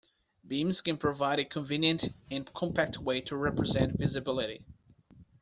Beams can provide a convenient and compact way to represent visibility.